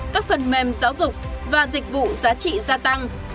các phần mềm giáo dục và dịch vụ giá trị gia tăng